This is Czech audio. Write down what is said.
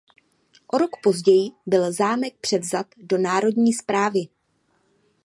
O rok později byl zámek převzat do národní správy.